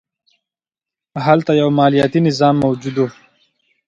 هلته یو مالیاتي نظام موجود و